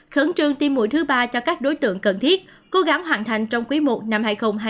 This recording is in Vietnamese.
khẩn trương tiêm mũi thứ ba cho các đối tượng cần thiết cố gắng hoàn thành trong quý i năm hai nghìn hai mươi bốn